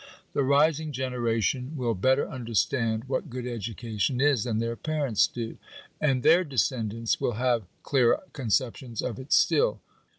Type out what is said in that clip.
The rising generation will better understand what good educa tion is than their parents do, and their descendants will have clearer conceptions of it still.